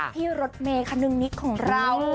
พี่รถเมย์คนึงนิดของเรา